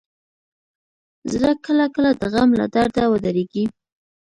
زړه کله کله د غم له درده ودریږي.